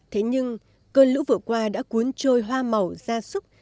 thế nhưng cơn lũ vừa qua đã cuốn trôi hoa màu da súc